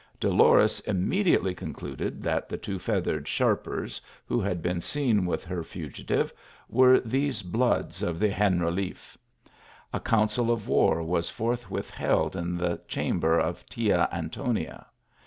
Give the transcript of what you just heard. Do lores immediately concluded that the two feathered sharpers who had been seen with her fugitive, were these bloods of the Generaliffe. A council of war was forthwith held in the chamber of Tia Antonia.